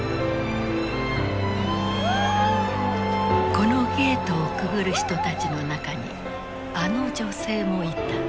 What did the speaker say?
このゲートをくぐる人たちの中にあの女性もいた。